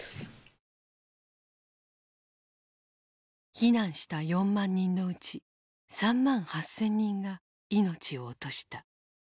避難した４万人のうち３万８，０００人が命を落とした。